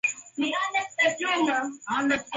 ulihitaji pesa ikaongeza kodi kwa bidhaa zilizosafirishwa